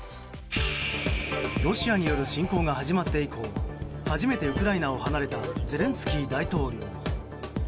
ロシアによる侵攻が始まって以降初めてウクライナを離れたゼレンスキー大統領。